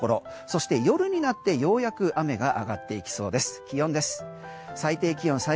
そして夜になって、ようやく雨が上がっていきそうです。